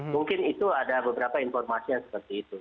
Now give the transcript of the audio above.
mungkin itu ada beberapa informasi yang seperti itu